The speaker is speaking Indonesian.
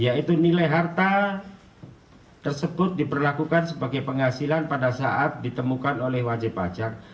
yaitu nilai harta tersebut diperlakukan sebagai penghasilan pada saat ditemukan oleh wajib pajak